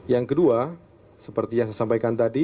yang kedua seperti yang saya sampaikan tadi